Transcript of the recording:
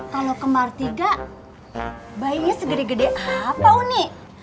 kalau kemar tiga bayinya segede gede apa uni